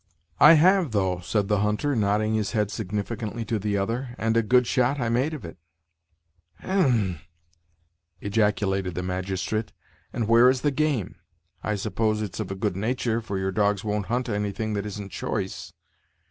"I have, though," said the hunter, nodding his head significantly to the other, "and a good shot I made of it." "H e m!" ejaculated the magistrate; "and where is the game? I s'pose it's of a good natur', for your dogs won't hunt anything that isn't choice."